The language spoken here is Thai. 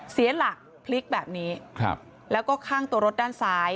เสียหลักพลิกแบบนี้แล้วก็ข้างตัวรถด้านซ้าย